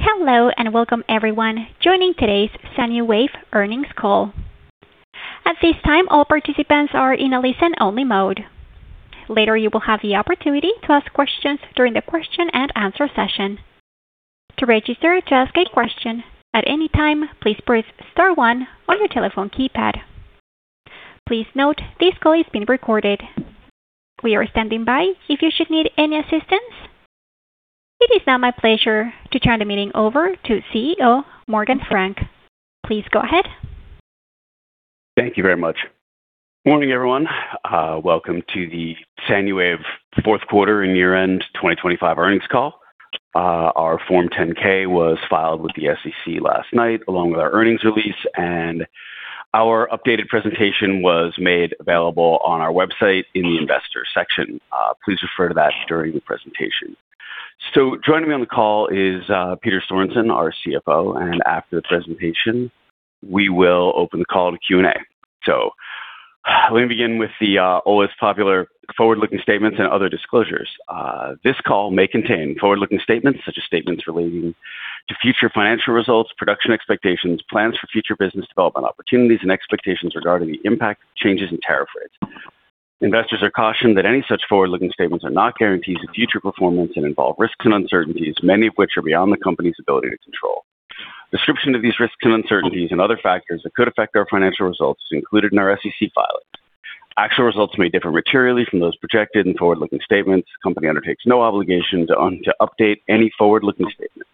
Hello and welcome everyone joining today's SANUWAVE Earnings Call. At this time, all participants are in a listen only mode. Later, you will have the opportunity to ask questions during the question and answer session. To register to ask a question at any time, please press star one on your telephone keypad. Please note this call is being recorded. We are standing by if you should need any assistance. It is now my pleasure to turn the meeting over to Chief Executive Officer, Morgan Frank. Please go ahead. Thank you very much. Morning, everyone. Welcome to the SANUWAVE Fourth Quarter and Year-end 2025 Earnings Call. Our Form 10-K was filed with the SEC last night, along with our earnings release, and our updated presentation was made available on our website in the investors section. Please refer to that during the presentation. Joining me on the call is Peter Sorensen, our Chief Financial Officer, and after the presentation, we will open the call to Q&A. Let me begin with the always popular forward-looking statements and other disclosures. This call may contain forward-looking statements such as statements relating to future financial results, production expectations, plans for future business development opportunities, and expectations regarding the impact of changes in tariff rates. Investors are cautioned that any such forward-looking statements are not guarantees of future performance and involve risks and uncertainties, many of which are beyond the company's ability to control. Description of these risks and uncertainties and other factors that could affect our financial results is included in our SEC filings. Actual results may differ materially from those projected in forward-looking statements. The company undertakes no obligation to update any forward-looking statements.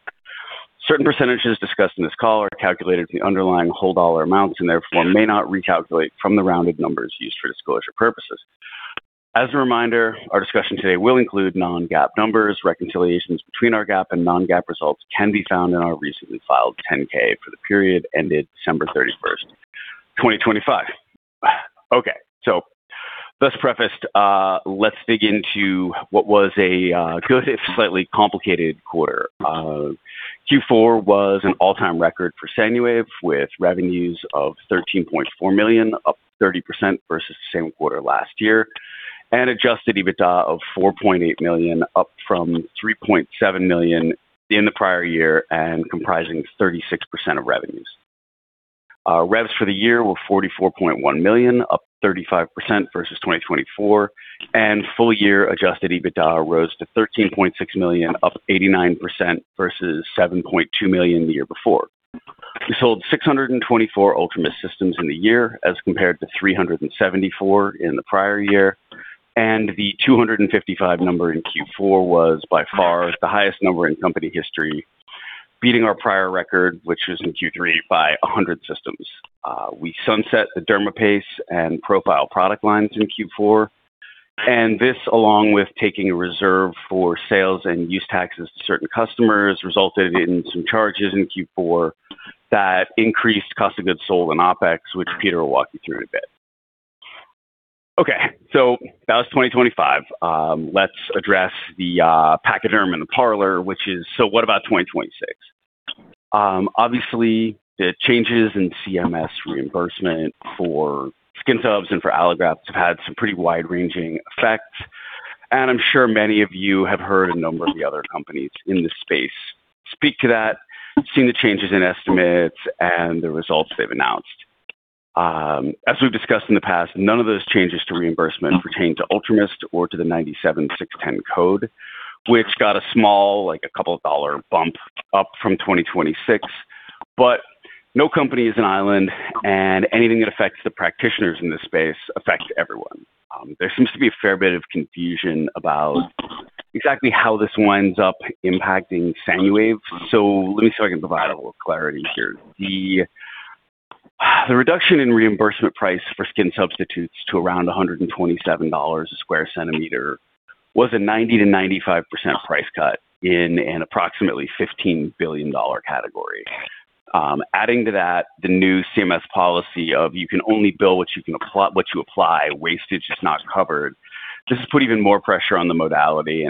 Certain percentages discussed in this call are calculated from the underlying whole dollar amounts and therefore may not recalculate from the rounded numbers used for disclosure purposes. As a reminder, our discussion today will include non-GAAP numbers. Reconciliations between our GAAP and non-GAAP results can be found in our recently filed 10-K for the period ended December 31st, 2025. Okay, thus prefaced, let's dig into what was a good if slightly complicated quarter. Q4 was an all-time record for SANUWAVE, with revenues of $13.4 million, up 30% versus the same quarter last year, and Adjusted EBITDA of $4.8 million, up from $3.7 million in the prior year and comprising 36% of revenues. Revs for the year were $44.1 million, up 35% versus 2024, and full year Adjusted EBITDA rose to $13.6 million, up 89% versus $7.2 million the year before. We sold 624 UltraMIST systems in the year as compared to 374 in the prior year, and the 255 number in Q4 was by far the highest number in company history, beating our prior record, which was in Q3 by 100 systems. We sunset the dermaPACE and Profile product lines in Q4, and this, along with taking a reserve for sales and use taxes to certain customers, resulted in some charges in Q4 that increased cost of goods sold and OpEx, which Peter will walk you through in a bit. Okay, that was 2025. Let's address the pachyderm in the parlor, which is, what about 2026? Obviously the changes in CMS reimbursement for skin subs and for allografts have had some pretty wide-ranging effects, and I'm sure many of you have heard a number of the other companies in this space speak to that, seen the changes in estimates and the results they've announced. As we've discussed in the past, none of those changes to reimbursement pertain to UltraMIST or to the 97610 code, which got a small, like a couple of dollar bump up from 2026. No company is an island, and anything that affects the practitioners in this space affects everyone. There seems to be a fair bit of confusion about exactly how this winds up impacting SANUWAVE. Let me see if I can provide a little clarity here. The reduction in reimbursement price for skin substitutes to around $127 a square centimeter was a 90%-95% price cut in an approximately $15 billion category. Adding to that, the new CMS policy of you can only bill what you apply, wastage is not covered, just put even more pressure on the modality.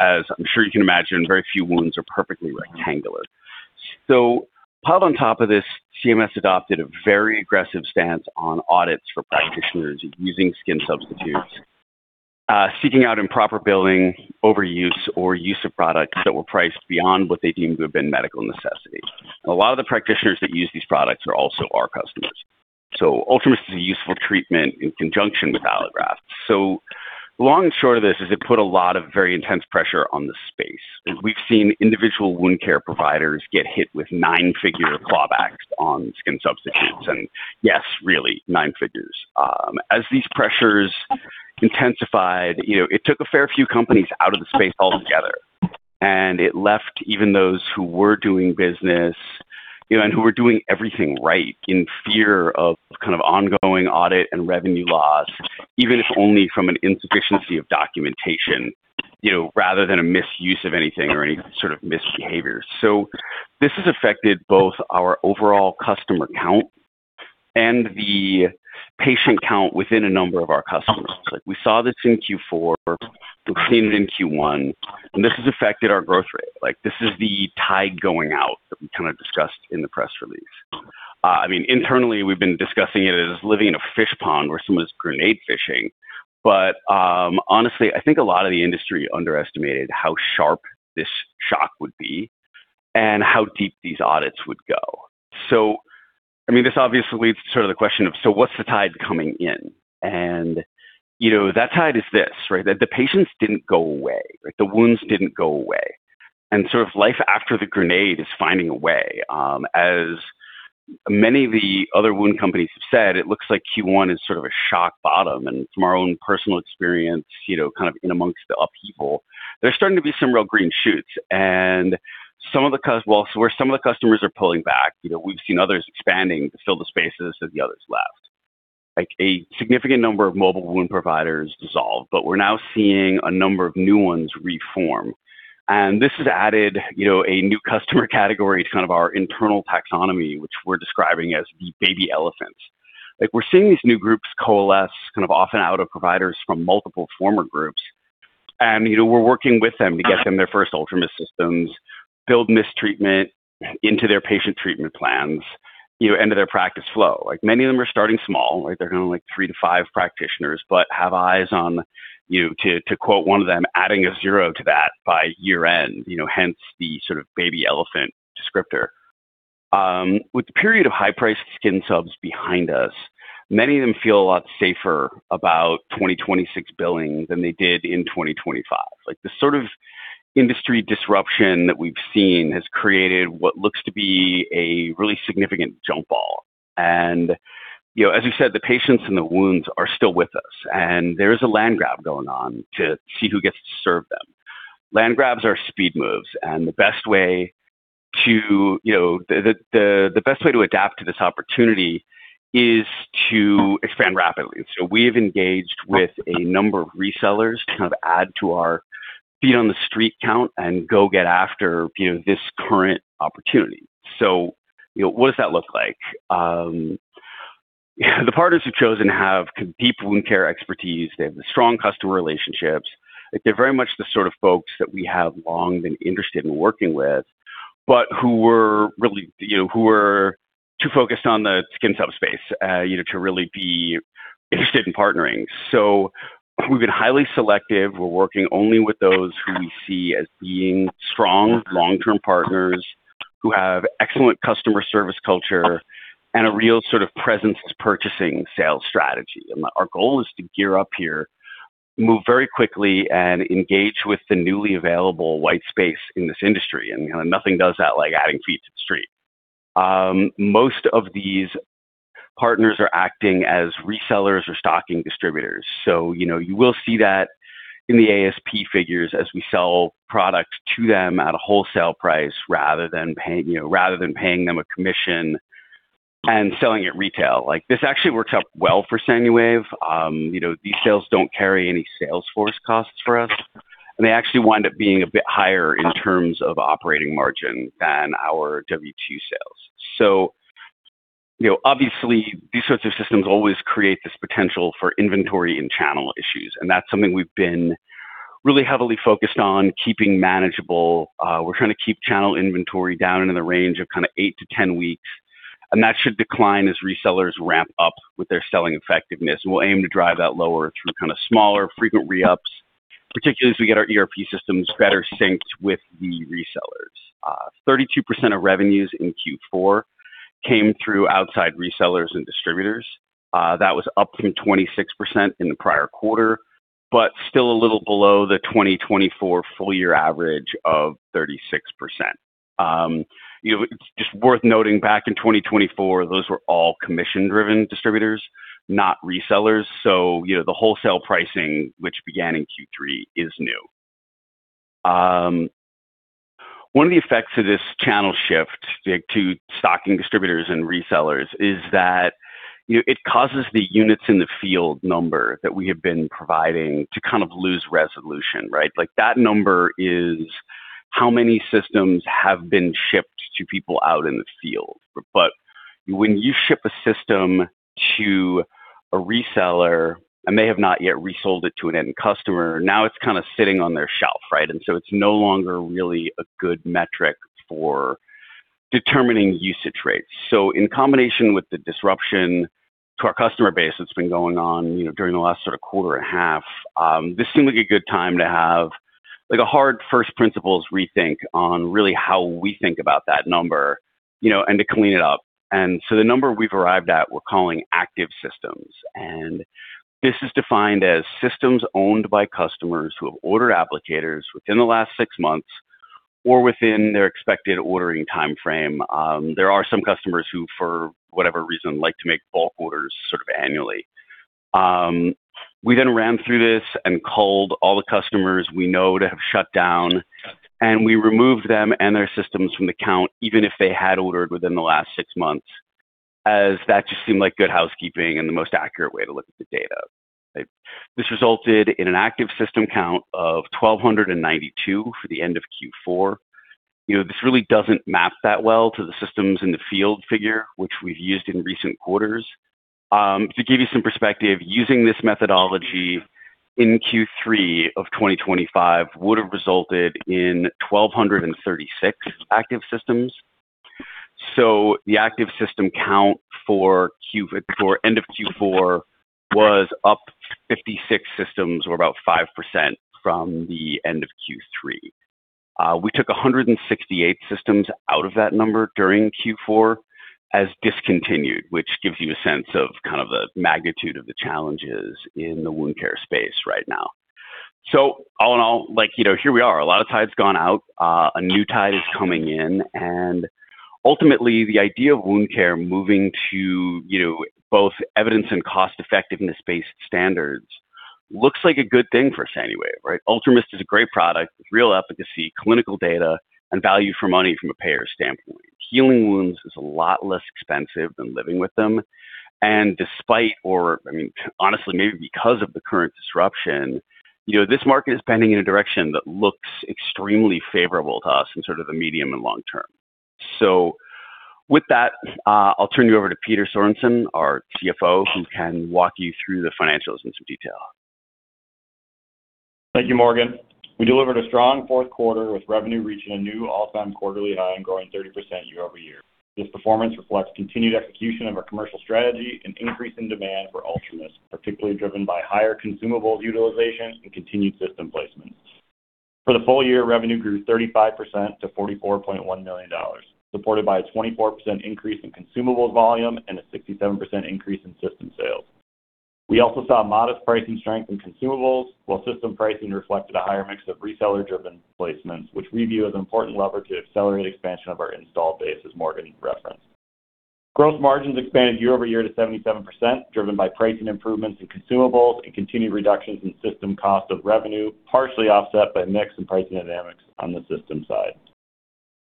As I'm sure you can imagine, very few wounds are perfectly rectangular. Piled on top of this, CMS adopted a very aggressive stance on audits for practitioners using skin substitutes, seeking out improper billing, overuse, or use of products that were priced beyond what they deemed to have been medical necessity. A lot of the practitioners that use these products are also our customers. UltraMIST is a useful treatment in conjunction with allografts. Long and short of this is it put a lot of very intense pressure on the space. We've seen individual wound care providers get hit with nine-figure clawbacks on skin substitutes. Yes, really, nine figures. As these pressures intensified, you know, it took a fair few companies out of the space altogether. It left even those who were doing business, you know, and who were doing everything right in fear of kind of ongoing audit and revenue loss, even if only from an insufficiency of documentation, you know, rather than a misuse of anything or any sort of misbehavior. This has affected both our overall customer count and the patient count within a number of our customers. We saw this in Q4. We've seen it in Q1. This has affected our growth rate. Like this is the tide going out that we kind of discussed in the press release. I mean, internally, we've been discussing it as living in a fish pond where someone's grenade fishing. Honestly, I think a lot of the industry underestimated how sharp this shock would be and how deep these audits would go. I mean, this obviously leads to sort of the question of, so what's the tide coming in? You know, that tide is this, right? The patients didn't go away, right? The wounds didn't go away. Sort of life after the grenade is finding a way. As many of the other wound companies have said, it looks like Q1 is sort of a shock bottom. From our own personal experience, you know, kind of in amongst the upheaval, there's starting to be some real green shoots. Some of the customers, well, where some of the customers are pulling back, you know, we've seen others expanding to fill the spaces that the others left. Like a significant number of mobile wound providers dissolved, but we're now seeing a number of new ones reform. This has added, you know, a new customer category to kind of our internal taxonomy, which we're describing as the baby elephants. Like we're seeing these new groups coalesce kind of often out of providers from multiple former groups. You know, we're working with them to get them their first UltraMIST systems, build MIST treatment into their patient treatment plans, you know, into their practice flow. Like many of them are starting small, like they're kind of like three to five practitioners, but have eyes on, you know, to quote one of them, adding a zero to that by year end, you know, hence the sort of baby elephant descriptor. With the period of high-priced skin subs behind us, many of them feel a lot safer about 2026 billing than they did in 2025. Like the sort of industry disruption that we've seen has created what looks to be a really significant jump ball. You know, as you said, the patients and the wounds are still with us and there is a land grab going on to see who gets to serve them. Land grabs are speed moves and the best way to, you know, adapt to this opportunity is to expand rapidly. We have engaged with a number of resellers to kind of add to our feet on the street count and go get after, you know, this current opportunity. You know, what does that look like? The partners we've chosen have deep wound care expertise. They have the strong customer relationships. They're very much the sort of folks that we have long been interested in working with, but who were really, you know, who were too focused on the skin substitutes space, you know, to really be interested in partnering. We've been highly selective. We're working only with those who we see as being strong long-term partners who have excellent customer service culture and a real sort of presence purchasing sales strategy. Our goal is to gear up here, move very quickly and engage with the newly available white space in this industry. Nothing does that like adding feet to the street. Most of these partners are acting as resellers or stocking distributors. You know, you will see that in the ASP figures as we sell products to them at a wholesale price rather than paying, you know, rather than paying them a commission and selling at retail. Like this actually works out well for SANUWAVE. You know, these sales don't carry any sales force costs for us. They actually wind up being a bit higher in terms of operating margin than our W2 sales. You know, obviously these sorts of systems always create this potential for inventory and channel issues. That's something we've been really heavily focused on keeping manageable. We're trying to keep channel inventory down into the range of kind of 8-10 weeks. That should decline as resellers ramp up with their selling effectiveness. We'll aim to drive that lower through kind of smaller frequent re-ups, particularly as we get our ERP systems better synced with the resellers. 32% of revenues in Q4 came through outside resellers and distributors. That was up from 26% in the prior quarter, but still a little below the 2024 full year average of 36%. You know, it's just worth noting back in 2024, those were all commission driven distributors, not resellers. You know, the wholesale pricing, which began in Q3, is new. One of the effects of this channel shift to stocking distributors and resellers is that, you know, it causes the units in the field number that we have been providing to kind of lose resolution, right? Like, that number is how many systems have been shipped to people out in the field. when you ship a system to a reseller and they have not yet resold it to an end customer, now it's kind of sitting on their shelf, right? It's no longer really a good metric for determining usage rates. In combination with the disruption to our customer base that's been going on, you know, during the last sort of quarter and a half, this seemed like a good time to have, like, a hard first principles rethink on really how we think about that number, you know, and to clean it up. The number we've arrived at, we're calling active systems. This is defined as systems owned by customers who have ordered applicators within the last 6 months or within their expected ordering timeframe. There are some customers who, for whatever reason, like to make bulk orders sort of annually. We ran through this and culled all the customers we know to have shut down, and we removed them and their systems from the count, even if they had ordered within the last 6 months, as that just seemed like good housekeeping and the most accurate way to look at the data. This resulted in an active system count of 1,292 for the end of Q4. You know, this really doesn't map that well to the systems in the field figure, which we've used in recent quarters. To give you some perspective, using this methodology in Q3 of 2025 would have resulted in 1,236 active systems. The active system count for end of Q4 was up 56 systems or about 5% from the end of Q3. We took 168 systems out of that number during Q4 as discontinued, which gives you a sense of kind of the magnitude of the challenges in the wound care space right now. All in all, like, you know, here we are. A lot of tide's gone out. A new tide is coming in. Ultimately, the idea of wound care moving to, you know, both evidence and cost-effectiveness based standards looks like a good thing for SANUWAVE, right? UltraMIST is a great product with real efficacy, clinical data and value for money from a payer standpoint. Healing wounds is a lot less expensive than living with them. Despite, or, I mean, honestly, maybe because of the current disruption, you know, this market is bending in a direction that looks extremely favorable to us in sort of the medium and long term. With that, I'll turn you over to Peter Sorensen, our Chief Financial Officer, who can walk you through the financials in some detail. Thank you, Morgan. We delivered a strong fourth quarter with revenue reaching a new all-time quarterly high and growing 30% year over year. This performance reflects continued execution of our commercial strategy and increase in demand for UltraMIST, particularly driven by higher consumables utilization and continued system placements. For the full year, revenue grew 35% to $44.1 million, supported by a 24% increase in consumables volume and a 67% increase in system sales. We also saw modest pricing strength in consumables, while system pricing reflected a higher mix of reseller-driven placements, which we view as an important lever to accelerate expansion of our installed base, as Morgan referenced. Gross margins expanded year over year to 77%, driven by pricing improvements in consumables and continued reductions in system cost of revenue, partially offset by mix and pricing dynamics on the system side.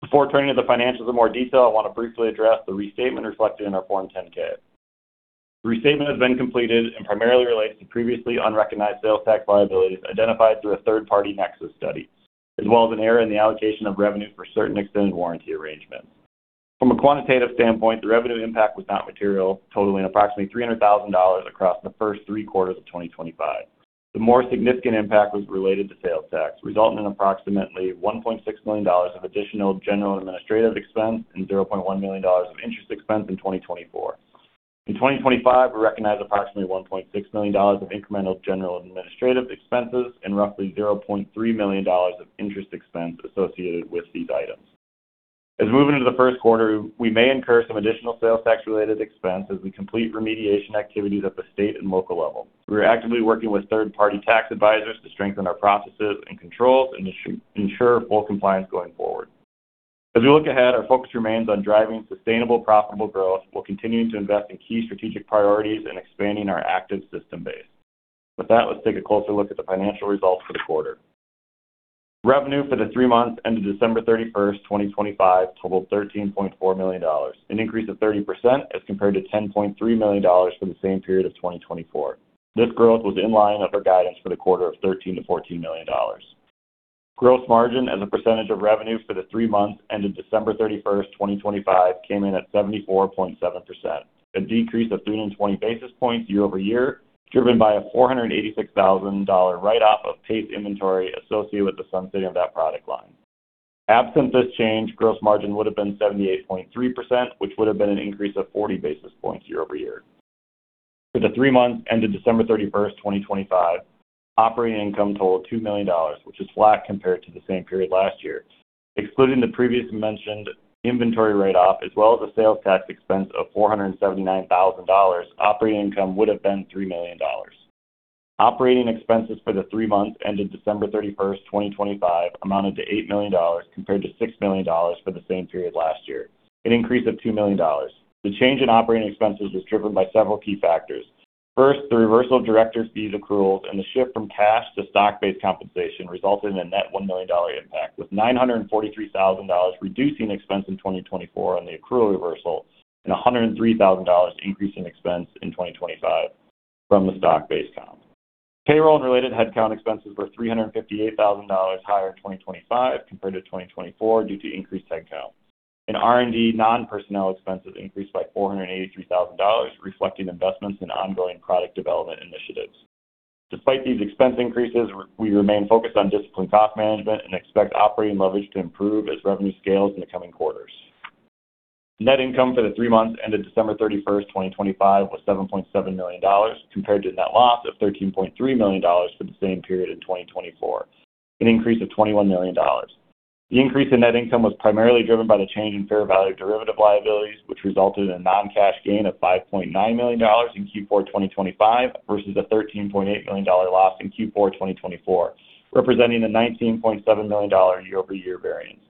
Before turning to the financials in more detail, I want to briefly address the restatement reflected in our Form 10-K. The restatement has been completed and primarily relates to previously unrecognized sales tax liabilities identified through a third-party Nexus study, as well as an error in the allocation of revenue for certain extended warranty arrangements. From a quantitative standpoint, the revenue impact was not material, totaling approximately $300,000 across the first 3 quarters of 2025. The more significant impact was related to sales tax, resulting in approximately $1.6 million of additional general and administrative expense and $0.1 million of interest expense in 2024. In 2025, we recognized approximately $1.6 million of incremental general and administrative expenses and roughly $0.3 million of interest expense associated with these items. As we move into the first quarter, we may incur some additional sales tax related expense as we complete remediation activities at the state and local level. We are actively working with third-party tax advisors to strengthen our processes and controls and ensure full compliance going forward. As we look ahead, our focus remains on driving sustainable, profitable growth. We'll continue to invest in key strategic priorities and expanding our active system base. With that, let's take a closer look at the financial results for the quarter. Revenue for the 3 months ended December 31st, 2025 totaled $13.4 million, an increase of 30% as compared to $10.3 million for the same period of 2024. This growth was in line with our guidance for the quarter of $13 million-$14 million. Gross margin as a percentage of revenue for the 3 months ended December 31st, 2025 came in at 74.7%, a decrease of 320 basis points year-over-year, driven by a $486,000 write-off of dermaPACE inventory associated with the sunsetting of that product line. Absent this change, gross margin would have been 78.3%, which would have been an increase of 40 basis points year-over-year. For the 3 months ended December 31st, 2025, operating income totaled $2 million, which is flat compared to the same period last year. Excluding the previously mentioned inventory write-off as well as a sales tax expense of $479,000, operating income would have been $3 million. Operating expenses for the 3 months ended December 31st, 2025 amounted to $8 million compared to $6 million for the same period last year, an increase of $2 million. The change in operating expenses was driven by several key factors. First, the reversal of director's fees accruals and the shift from cash to stock-based compensation resulted in a net $1 million impact, with $943,000 reducing expense in 2024 on the accrual reversal and $103,000 increase in expense in 2025 from the stock-based comp. Payroll and related headcount expenses were $358,000 higher in 2025 compared to 2024 due to increased headcount. R&D non-personnel expenses increased by $483,000, reflecting investments in ongoing product development initiatives. Despite these expense increases, we remain focused on disciplined cost management and expect operating leverage to improve as revenue scales in the coming quarters. Net income for the 3 months ended December 31st, 2025 was $7.7 million compared to a net loss of $13.3 million for the same period in 2024, an increase of $21 million. The increase in net income was primarily driven by the change in fair value derivative liabilities, which resulted in a non-cash gain of $5.9 million in Q4 2025 versus a $13.8 million dollar loss in Q4 2024, representing a $19.7 million dollar year-over-year variance.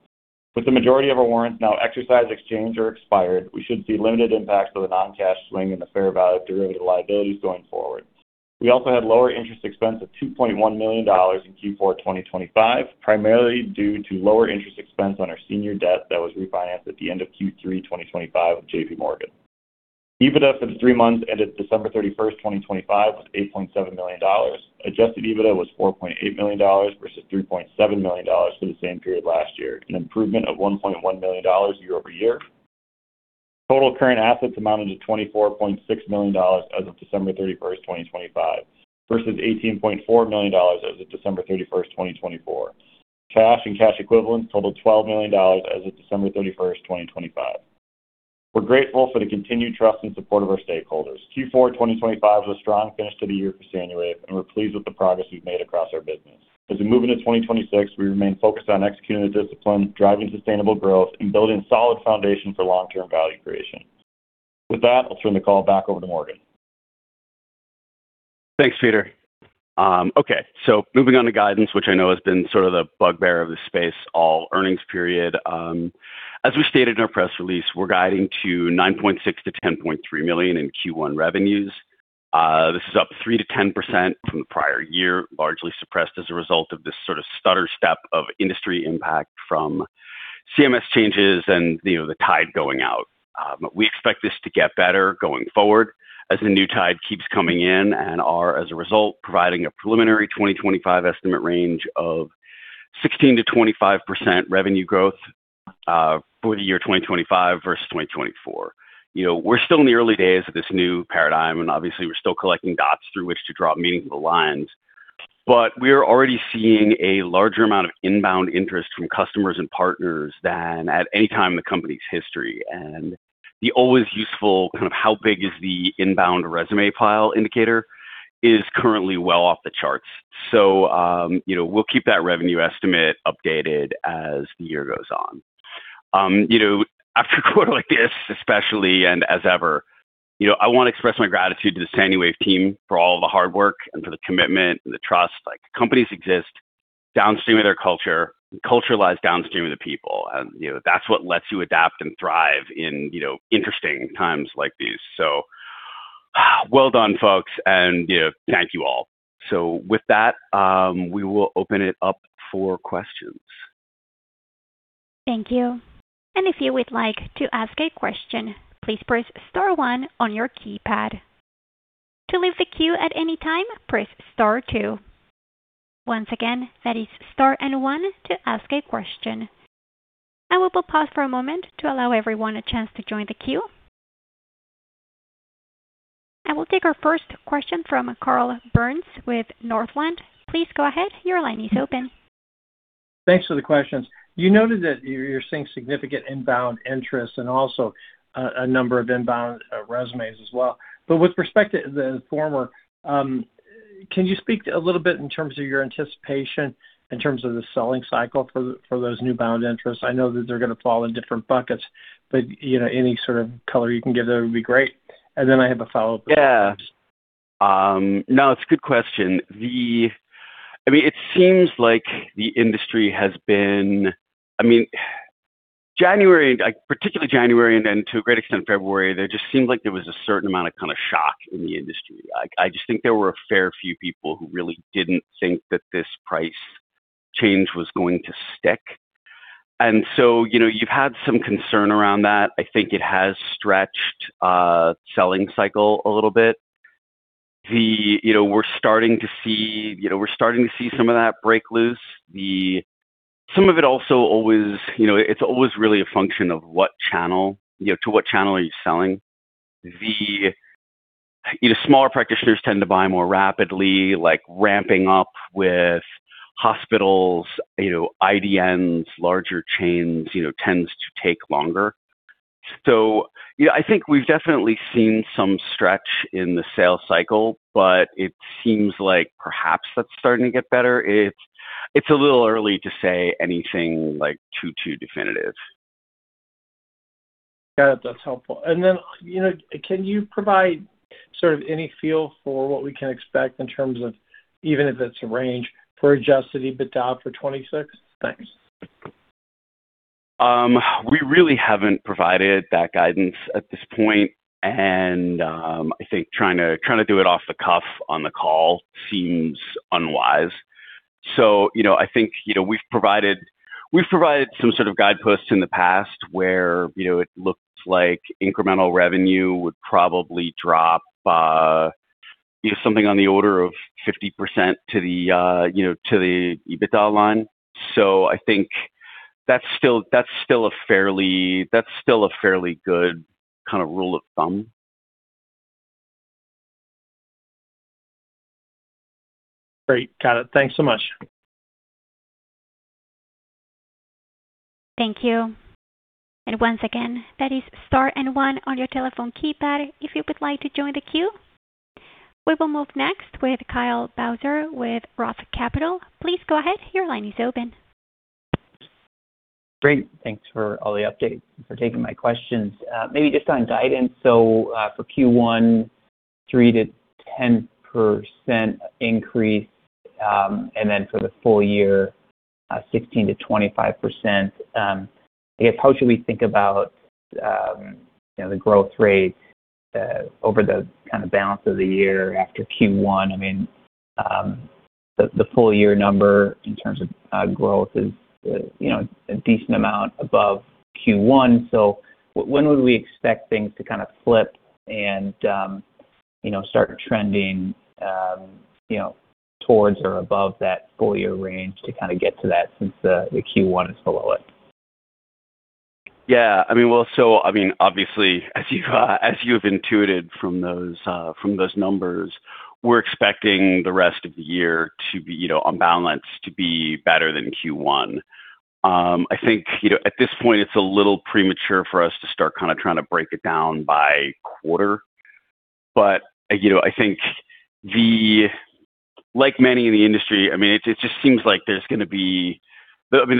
With the majority of our warrants now exercised, exchanged, or expired, we should see limited impact of the non-cash swing in the fair value of derivative liabilities going forward. We also had lower interest expense of $2.1 million in Q4 2025, primarily due to lower interest expense on our senior debt that was refinanced at the end of Q3 2025 with JPMorgan. EBITDA for the 3 months ended December 31st, 2025 was $8.7 million. Adjusted EBITDA was $4.8 million versus $3.7 million for the same period last year, an improvement of $1.1 million year-over-year. Total current assets amounted to $24.6 million as of December 31st, 2025 versus $18.4 million as of December 31st, 2024. Cash and cash equivalents totaled $12 million as of December 31st, 2025. We're grateful for the continued trust and support of our stakeholders. Q4 2025 was a strong finish to the year for SANUWAVE, and we're pleased with the progress we've made across our business. As we move into 2026, we remain focused on executing with discipline, driving sustainable growth, and building solid foundation for long-term value creation. With that, I'll turn the call back over to Morgan. Thanks, Peter. Okay, moving on to guidance, which I know has been sort of the bugbear of the space all earnings period. As we stated in our press release, we're guiding to $9.6 million-$10.3 million in Q1 revenues. This is up 3%-10% from the prior year, largely suppressed as a result of this sort of stutter step of industry impact from CMS changes and, you know, the tide going out. We expect this to get better going forward as the new tide keeps coming in and are, as a result, providing a preliminary 2025 estimate range of 16%-25% revenue growth, for the year 2025 versus 2024. You know, we're still in the early days of this new paradigm, and obviously we're still collecting dots through which to draw meaningful lines. We are already seeing a larger amount of inbound interest from customers and partners than at any time in the company's history. The always useful kind of how big is the inbound resume pile indicator is currently well off the charts. You know, we'll keep that revenue estimate updated as the year goes on. You know, after a quarter like this especially, and as ever, you know, I want to express my gratitude to the SANUWAVE team for all the hard work and for the commitment and the trust. Like, companies exist downstream of their culture, and culture lies downstream of the people. You know, that's what lets you adapt and thrive in, you know, interesting times like these. Well done, folks, and, you know, thank you all. With that, we will open it up for questions. Thank you. If you would like to ask a question, please press star one on your keypad. To leave the queue at any time, press star two. Once again, that is star one to ask a question. I will pause for a moment to allow everyone a chance to join the queue. I will take our first question from Carl Byrnes with Northland. Please go ahead. Your line is open. Thanks for the questions. You noted that you're seeing significant inbound interest and also a number of inbound resumes as well. With respect to the former, can you speak a little bit in terms of your anticipation in terms of the selling cycle for those inbound interests? I know that they're gonna fall in different buckets, but you know, any sort of color you can give there would be great. Then I have a follow-up. Yeah. No, it's a good question. I mean, it seems like the industry has been. I mean, January, like, particularly January and then to a great extent February, there just seemed like there was a certain amount of kinda shock in the industry. Like, I just think there were a fair few people who really didn't think that this price change was going to stick. You know, you've had some concern around that. I think it has stretched selling cycle a little bit. You know, we're starting to see some of that break loose. Some of it also always, you know, it's always really a function of what channel, you know, to what channel are you selling? You know, smaller practitioners tend to buy more rapidly, like ramping up with hospitals, you know, IDNs, larger chains, you know, tends to take longer. You know, I think we've definitely seen some stretch in the sales cycle, but it seems like perhaps that's starting to get better. It's a little early to say anything like too definitive. Got it. That's helpful. You know, can you provide sort of any feel for what we can expect in terms of even if it's a range for Adjusted EBITDA for 2026? Thanks. We really haven't provided that guidance at this point, and I think trying to do it off the cuff on the call seems unwise. You know, I think, you know, we've provided some sort of guideposts in the past where, you know, it looks like incremental revenue would probably drop, you know, something on the order of 50% to the, you know, to the EBITDA line. I think that's still a fairly good kind of rule of thumb. Great. Got it. Thanks so much. Thank you. Once again, that is star and one on your telephone keypad if you would like to join the queue. We will move next with Kyle Bauser with Roth Capital. Please go ahead. Your line is open. Great. Thanks for all the updates and for taking my questions. Maybe just on guidance. For Q1, 3%-10% increase, and then for the full year, 16%-25%. I guess how should we think about, you know, the growth rate, over the kind of balance of the year after Q1? I mean, the full year number in terms of growth is, you know, a decent amount above Q1. When would we expect things to kind of flip and, you know, start trending, you know, towards or above that full year range to kind of get to that since the Q1 is below it? I mean, obviously, as you've intuited from those numbers, we're expecting the rest of the year to be, you know, on balance to be better than Q1. I think, you know, at this point, it's a little premature for us to start kind of trying to break it down by quarter. You know, I think like many in the industry, I mean, it just seems like the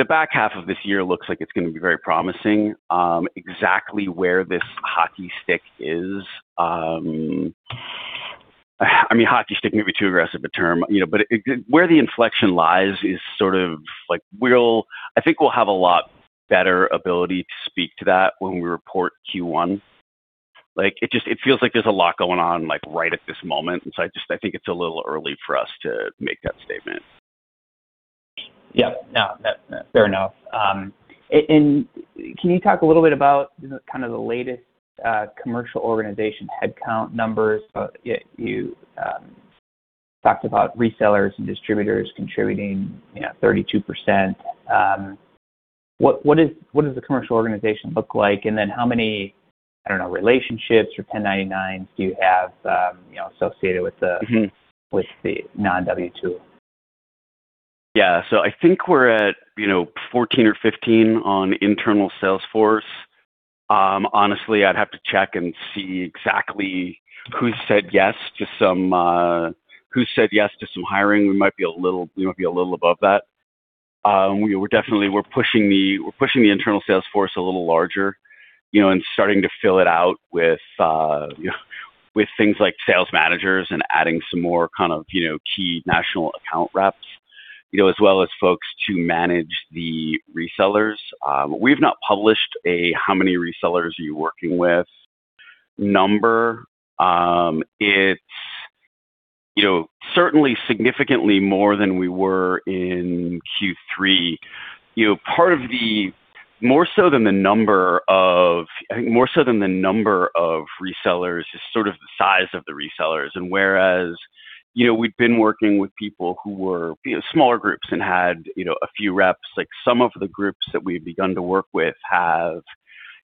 back half of this year looks like it's gonna be very promising. Exactly where this hockey stick is, I mean, hockey stick may be too aggressive a term, you know. Where the inflection lies is sort of like I think we'll have a lot better ability to speak to that when we report Q1. Like, it just, it feels like there's a lot going on, like, right at this moment. I just, I think it's a little early for us to make that statement. Yeah. No, that's fair enough. And can you talk a little bit about the kind of the latest commercial organization headcount numbers? You talked about resellers and distributors contributing, you know, 32%. What does the commercial organization look like? How many, I don't know, relationships or 1099s do you have, you know, associated with the non-W2? Yeah. I think we're at, you know, 14 or 15 on internal sales force. Honestly, I'd have to check and see exactly who said yes to some hiring. We might be a little above that. We're definitely pushing the internal sales force a little larger, you know, and starting to fill it out with, you know, with things like sales managers and adding some more kind of, you know, key national account reps, you know, as well as folks to manage the resellers. We've not published a how many resellers are you working with number. It's, you know, certainly significantly more than we were in Q3. You know, more so than the number of, I think more so than the number of resellers is sort of the size of the resellers. Whereas, you know, we've been working with people who were, you know, smaller groups and had, you know, a few reps, like some of the groups that we've begun to work with have,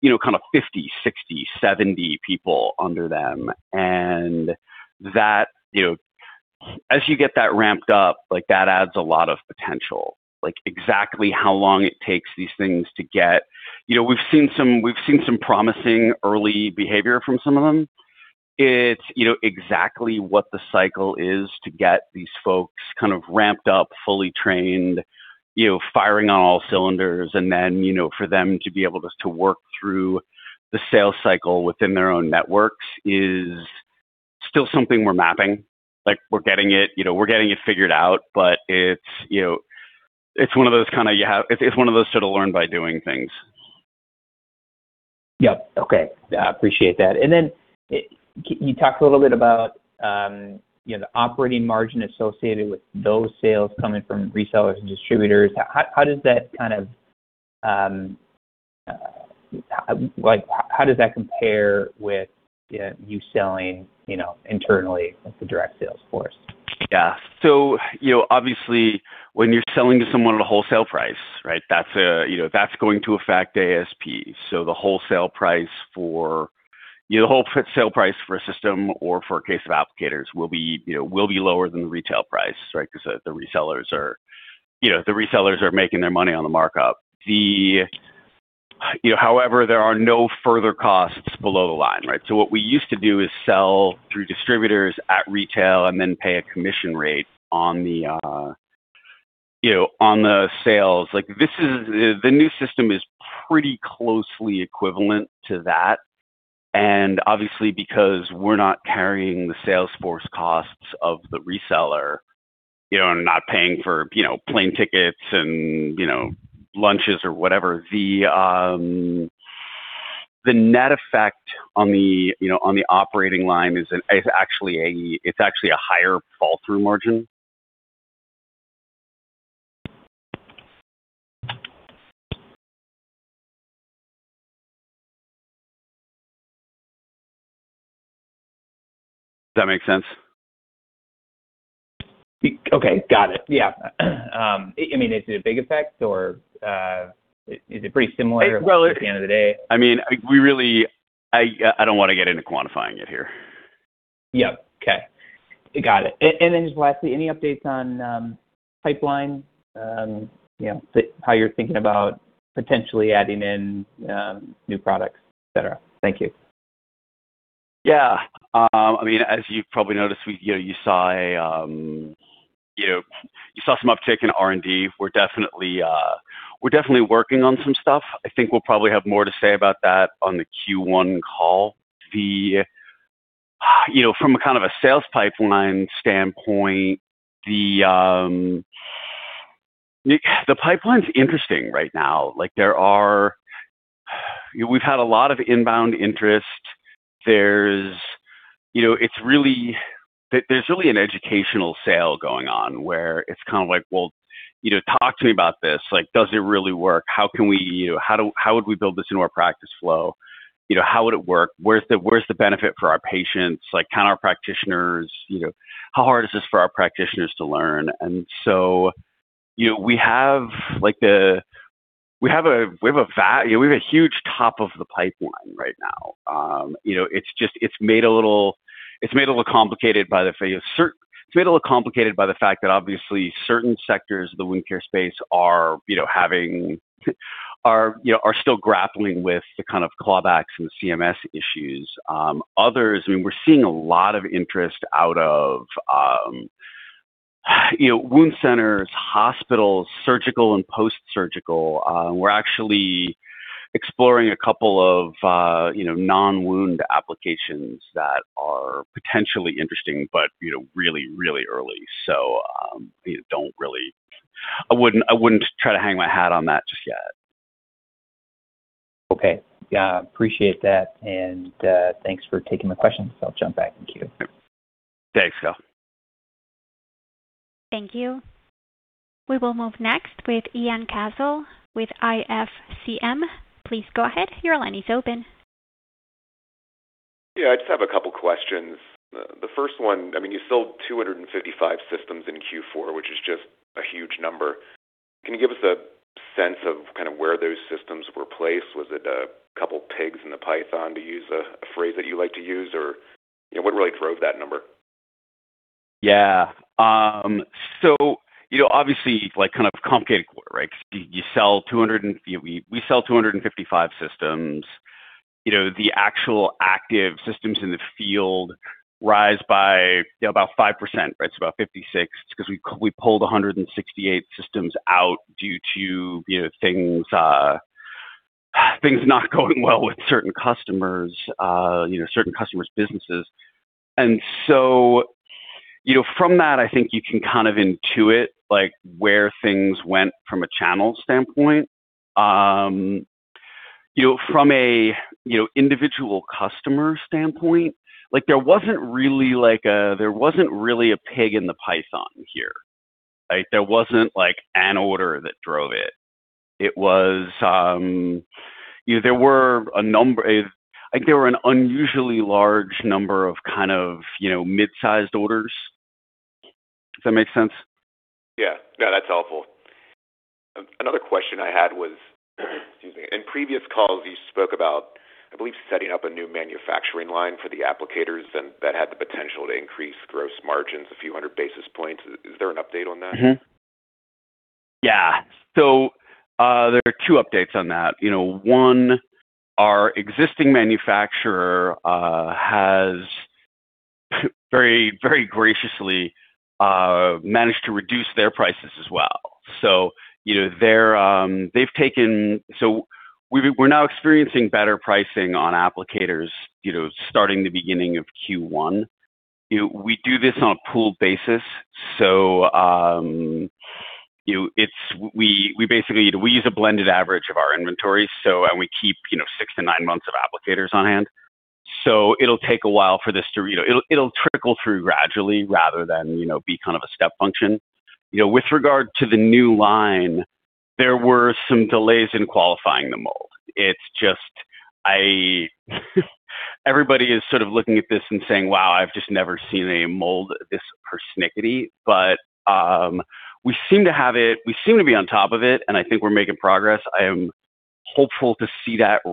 you know, kind of 50, 60, 70 people under them. That, you know, as you get that ramped up, like that adds a lot of potential. Like exactly how long it takes these things to get. You know, we've seen some promising early behavior from some of them. It's, you know, exactly what the cycle is to get these folks kind of ramped up, fully trained, you know, firing on all cylinders, and then, you know, for them to be able to work through the sales cycle within their own networks is still something we're mapping. Like we're getting it, you know, we're getting it figured out, but it's, you know, it's one of those kind of It's one of those sort of learn by doing things. Yep. Okay. I appreciate that. Can you talk a little bit about, you know, the operating margin associated with those sales coming from resellers and distributors? How does that kind of, like how does that compare with, you know, you selling, you know, internally with the direct sales force? Yeah. You know, obviously when you're selling to someone at a wholesale price, right? That's you know, that's going to affect ASP. The wholesale price for a system or for a case of applicators will be lower than the retail price, right? 'Cause the resellers are making their money on the markup. However, there are no further costs below the line, right? What we used to do is sell through distributors at retail and then pay a commission rate on the sales. Like this is. The new system is pretty closely equivalent to that. Obviously, because we're not carrying the sales force costs of the reseller, you know, and not paying for, you know, plane tickets and, you know, lunches or whatever, the net effect on the, you know, on the operating line is actually a higher flow-through margin. Does that make sense? Okay. Got it. Yeah. I mean, is it a big effect or is it pretty similar? Well. At the end of the day? I mean, I don't wanna get into quantifying it here. Yeah. Okay. Got it. And then just lastly, any updates on, pipeline, you know, how you're thinking about potentially adding in, new products, etc.? Thank you. Yeah. I mean, as you probably noticed, you know, you saw some uptick in R&D. We're definitely working on some stuff. I think we'll probably have more to say about that on the Q1 call. You know, from a kind of a sales pipeline standpoint, the pipeline's interesting right now. Like, we've had a lot of inbound interest. There's, you know, it's really an educational sale going on, where it's kind of like, well, you know, talk to me about this. Like, does it really work? How can we, you know, how would we build this into our practice flow? You know, how would it work? Where's the benefit for our patients? Like, can our practitioners, you know, how hard is this for our practitioners to learn? You know, we have, like, we have a huge top of the pipeline right now. You know, it's just made a little complicated by the fact that obviously certain sectors of the wound care space are, you know, still grappling with the kind of clawbacks and CMS issues. Others, I mean, we're seeing a lot of interest out of, you know, wound centers, hospitals, surgical and post-surgical. We're actually exploring a couple of, you know, non-wound applications that are potentially interesting but, you know, really early. I don't really... I wouldn't try to hang my hat on that just yet. Okay. Yeah. Appreciate that, and thanks for taking my questions. I'll jump back in queue. Thanks, Phil. Thank you. We will move next with Ian Cassel with IFCM. Please go ahead. Your line is open. Yeah. I just have a couple questions. The first one, I mean, you sold 255 systems in Q4, which is just a huge number. Can you give us a sense of kind of where those systems were placed? Was it a couple pigs in the python, to use a phrase that you like to use, or, you know, what really drove that number? Yeah. You know, obviously, like, kind of complicated, right? We sell 255 systems. You know, the actual active systems in the field rise by, you know, about 5%, right? About 56, 'cause we pulled 168 systems out due to, you know, things not going well with certain customers, you know, certain customers' businesses. You know, from that, I think you can kind of intuit, like, where things went from a channel standpoint. You know, from a, you know, individual customer standpoint, like, there wasn't really a pig in the python here, right? There wasn't, like, an order that drove it. It was, you know, there were a number. I think there were an unusually large number of kind of, you know, mid-sized orders. Does that make sense? Yeah. No, that's helpful. Another question I had was, excuse me, in previous calls you spoke about, I believe, setting up a new manufacturing line for the applicators and that had the potential to increase gross margins a few hundred basis points. Is there an update on that? Mm-hmm. Yeah. There are two updates on that. You know, one, our existing manufacturer has very, very graciously managed to reduce their prices as well. You know, they're experiencing better pricing on applicators, you know, starting the beginning of Q1. You know, we do this on a pooled basis. You know, we basically use a blended average of our inventory, and we keep, you know, 6 to 9 months of applicators on hand. It'll take a while for this to, you know, trickle through gradually rather than, you know, be kind of a step function. You know, with regard to the new line, there were some delays in qualifying the mold. It's just, I Everybody is sort of looking at this and saying, "Wow, I've just never seen a mold this persnickety." We seem to have it, we seem to be on top of it, and I think we're making progress. I'm hopeful to see that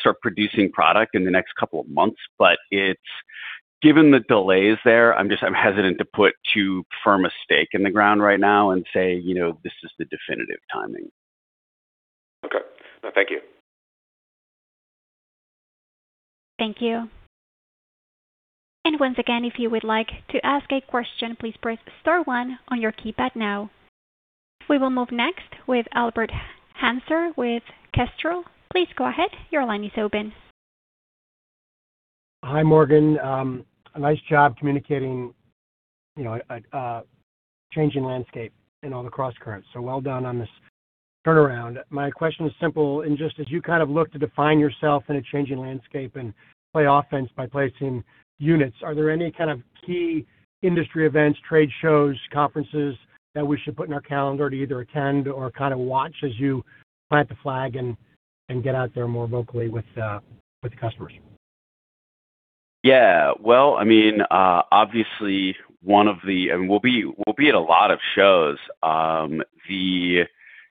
start producing product in the next couple of months. It's, given the delays there, I'm hesitant to put too firm a stake in the ground right now and say, you know, this is the definitive timing. Okay. No, thank you. Thank you. We will move next with Albert Hanser with Kestrel. Please go ahead. Your line is open. Hi, Morgan. Nice job communicating, you know, a changing landscape and all the crosscurrents. So well done on this turnaround. My question is simple. Just as you kind of look to define yourself in a changing landscape and play offense by placing units, are there any kind of key industry events, trade shows, conferences that we should put in our calendar to either attend or kind of watch as you plant the flag and get out there more vocally with customers? Yeah. Well, I mean, obviously we'll be at a lot of shows.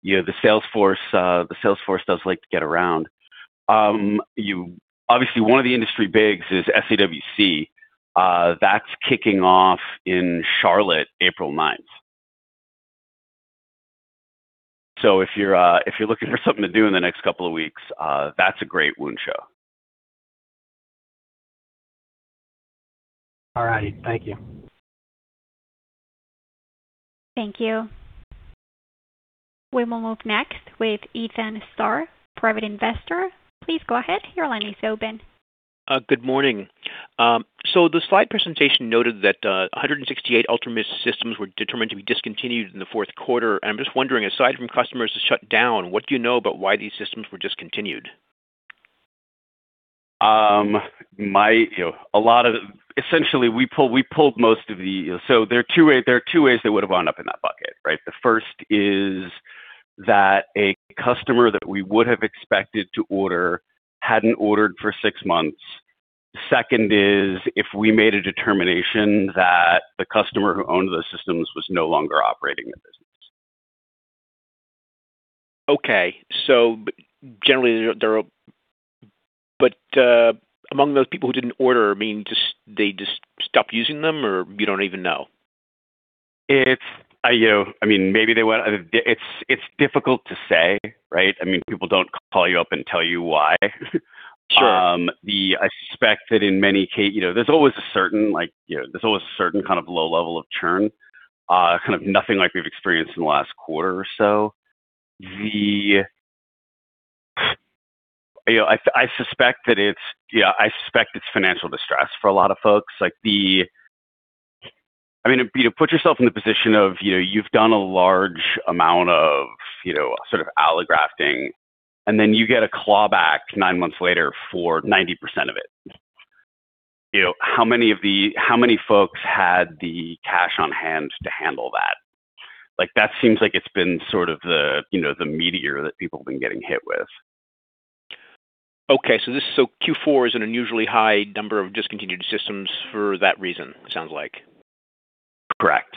You know, the sales force does like to get around. Obviously one of the industry bigs is SAWC. That's kicking off in Charlotte, April ninth. If you're looking for something to do in the next couple of weeks, that's a great wound show. All right. Thank you. Thank you. We will move next with Ethan Starr, Private Investor. Please go ahead. Your line is open. Good morning. The slide presentation noted that 168 UltraMIST systems were determined to be discontinued in the fourth quarter. I'm just wondering, aside from customers who shut down, what do you know about why these systems were discontinued? There are two ways they would have wound up in that bucket, right? The first is that a customer that we would have expected to order hadn't ordered for 6 months. Second is, if we made a determination that the customer who owned those systems was no longer operating their business. Among those people who didn't order, I mean, just they just stopped using them or you don't even know? It's, you know, I mean, it's difficult to say, right? I mean, people don't call you up and tell you why. Sure. I suspect that in many cases, you know, there's always a certain like, you know, there's always a certain kind of low level of churn, kind of nothing like we've experienced in the last quarter or so. I suspect that it's, yeah, I suspect it's financial distress for a lot of folks. I mean, you know, put yourself in the position of, you know, you've done a large amount of, you know, sort of allografting, and then you get a clawback 9 months later for 90% of it. You know, how many folks had the cash on hand to handle that? Like, that seems like it's been sort of the, you know, the meteor that people have been getting hit with. Q4 is an unusually high number of discontinued systems for that reason, it sounds like. Correct.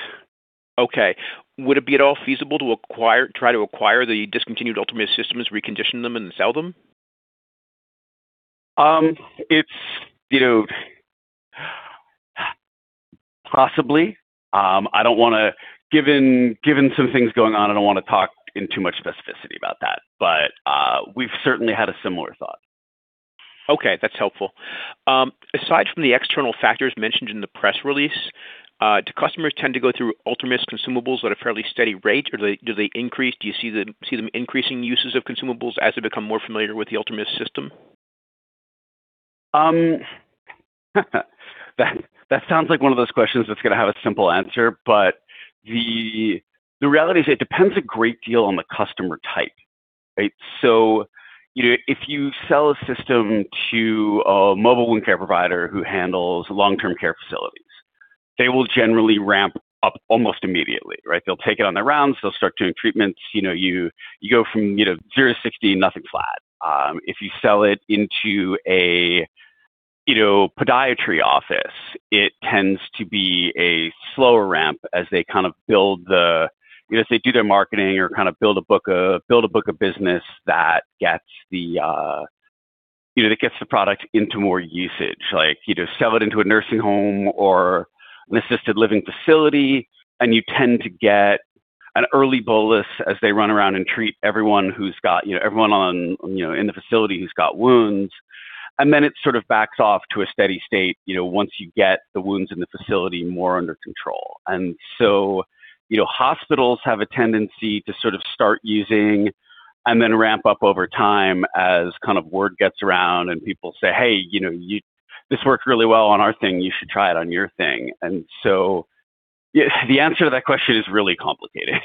Okay. Would it be at all feasible to try to acquire the discontinued UltraMIST systems, recondition them and sell them? It's, you know, possibly. I don't wanna, given some things going on, I don't wanna talk in too much specificity about that, but, we've certainly had a similar thought. Okay, that's helpful. Aside from the external factors mentioned in the press release, do customers tend to go through UltraMIST consumables at a fairly steady rate, or do they increase? Do you see them increasing uses of consumables as they become more familiar with the UltraMIST system? That sounds like one of those questions that's gonna have a simple answer, but the reality is it depends a great deal on the customer type, right? So, you know, if you sell a system to a mobile wound care provider who handles long-term care facilities, they will generally ramp up almost immediately, right? They'll take it on their rounds. They'll start doing treatments. You know, you go from, you know, zero to sixty, nothing flat. If you sell it into a, you know, podiatry office, it tends to be a slower ramp as they do their marketing or kind of build a book of business that gets the product into more usage. Like you just sell it into a nursing home or an assisted living facility, and you tend to get an early bolus as they run around and treat everyone who's got, you know, everyone on, you know, in the facility who's got wounds. It sort of backs off to a steady state, you know, once you get the wounds in the facility more under control. You know, hospitals have a tendency to sort of start using and then ramp up over time as kind of word gets around and people say, "Hey, you know, this worked really well on our thing. You should try it on your thing." The answer to that question is really complicated.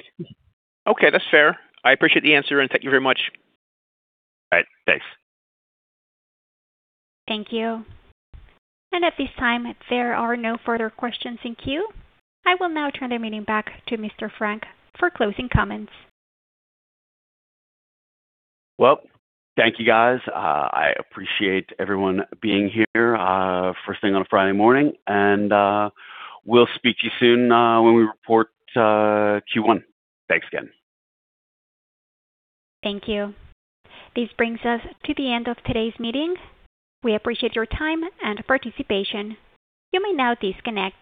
Okay. That's fair. I appreciate the answer, and thank you very much. All right. Thanks. Thank you. At this time, there are no further questions in queue. I will now turn the meeting back to Mr. Frank for closing comments. Well, thank you, guys. I appreciate everyone being here first thing on a Friday morning, and we'll speak to you soon when we report Q1. Thanks again. Thank you. This brings us to the end of today's meeting. We appreciate your time and participation. You may now disconnect.